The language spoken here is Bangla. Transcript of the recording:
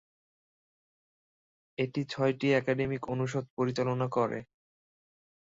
এটি ছয়টি একাডেমিক অনুষদ পরিচালনা করে।